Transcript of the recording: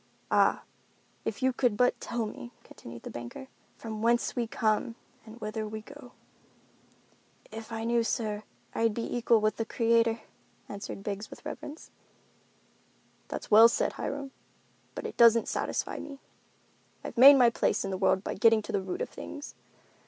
"Ah, if you could but tell me," continued the banker, "from whence we come, and whither we go?" "If I knew, sir, I'd be equal with the Creator," answered Biggs with reverence. "That's well said, Hiram, but it doesn't satisfy me. I've made my place in the world by getting to the root of things.